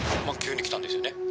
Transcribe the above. まぁ急に来たんですよね